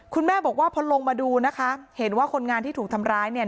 คุณแม่บอกว่าพอลงมาดูนะคะเห็นว่าคนงานที่ถูกทำร้ายเนี่ย